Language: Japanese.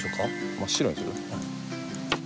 真っ白にする？